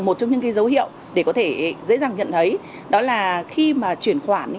một trong những dấu hiệu để có thể dễ dàng nhận thấy đó là khi mà chuyển khoản